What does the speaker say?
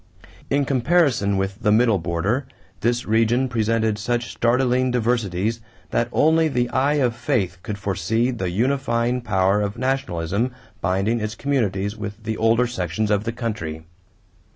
In comparison with the middle border, this region presented such startling diversities that only the eye of faith could foresee the unifying power of nationalism binding its communities with the older sections of the country.